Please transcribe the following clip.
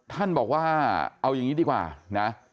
ท่านบอกว่าเอาอย่างนี้ดีกว่านะ